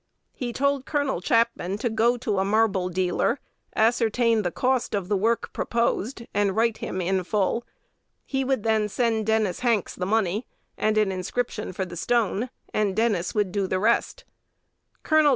He told Col. Chapman to go to a "marble dealer," ascertain the cost of the work proposed, and write him in full. He would then send Dennis Hanks the money, and an inscription for the stone; and Dennis would do the rest. (Col.